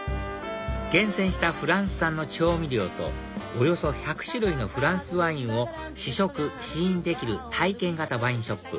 厳選したフランス産の調味料とおよそ１００種類のフランスワインを試食・試飲できる体験型ワインショップ